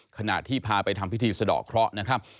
ขณะที่พาไปทำพิธีสะดอกเคราะห์นะครับ